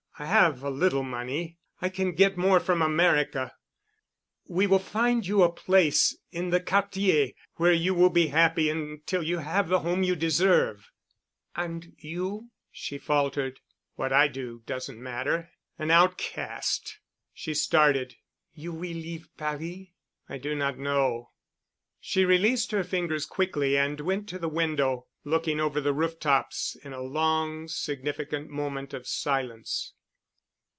I have a little money. I can get more from America. We will find you a place in the Quartier where you will be happy until you have the home you deserve——" "And you——," she faltered. "What I do doesn't matter. An outcast——" She started. "You will leave Paris?" "I do not know." She released her fingers quickly and went to the window, looking over the rooftops in a long significant moment of silence.